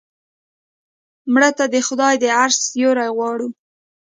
مړه ته د خدای د عرش سیوری غواړو